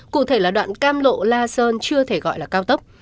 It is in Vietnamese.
cụ thể là đoạn cam lộ la sơn chưa thể gọi là cao tốc